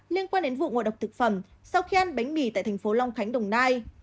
liên quan đến vụ ngộ độc thực phẩm sau khi ăn bánh mì tại thành phố long khánh đồng nai